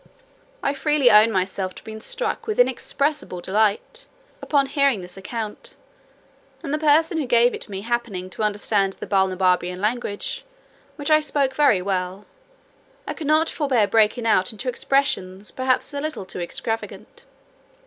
I freely own myself to have been struck with inexpressible delight, upon hearing this account: and the person who gave it me happening to understand the Balnibarbian language, which I spoke very well, I could not forbear breaking out into expressions, perhaps a little too extravagant.